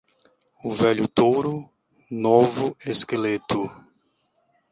O velho touro, novo esqueleto.